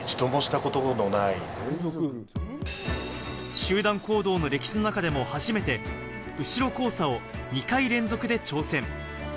集団行動の歴史の中でも初めて後ろ交差を２回連続で挑戦。